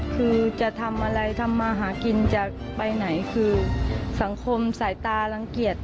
คือจะทำอะไรทำมาหากินจะไปไหนคือสังคมสายตารังเกียจ